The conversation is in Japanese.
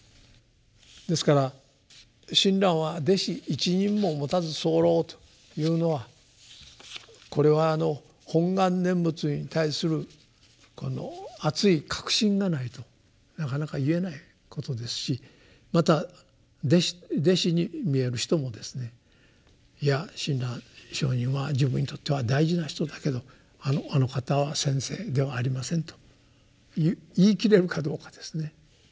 ですから「親鸞は弟子一人ももたずさふらふ」というのはこれは本願念仏に対するあつい確信がないとなかなか言えないことですしまた弟子に見える人もですね「いや親鸞上人は自分にとっては大事な人だけどあの方は先生ではありません」と言い切れるかどうかですね。